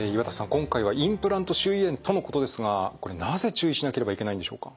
今回はインプラント周囲炎とのことですがこれなぜ注意しなければいけないんでしょうか？